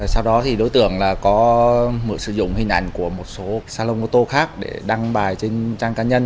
sau đó thì đối tượng có mượn sử dụng hình ảnh của một số salon ô tô khác để đăng bài trên trang cá nhân